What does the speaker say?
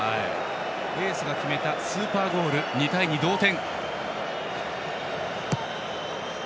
エースが決めたスーパーゴールで２対２、同点。